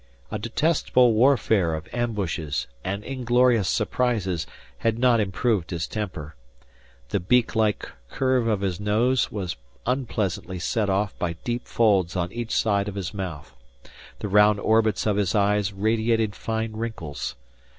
A detestable warfare of ambushes and inglorious surprises had not improved his temper. The beaklike curve of his nose was unpleasantly set off by deep folds on each side of his mouth. The round orbits of his eyes radiated fine wrinkles.